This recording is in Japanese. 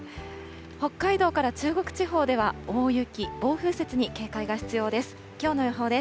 北海道から中国地方では大雪、暴風雪に警戒が必要です。